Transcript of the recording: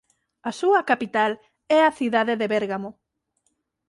A súa capital é a cidade de Bérgamo.